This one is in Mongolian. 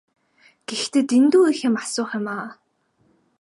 Гэхдээ дэндүү их юм асуух юм.